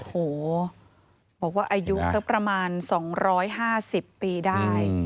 โอ้โหบอกว่าอายุสักประมาณสองร้อยห้าสิบปีได้